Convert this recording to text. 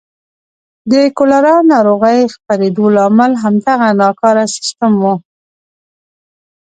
د کولرا ناروغۍ خپرېدو لامل همدغه ناکاره سیستم و.